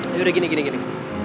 yaudah gini gini gini